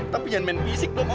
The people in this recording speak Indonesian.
tapi jangan main fisik dong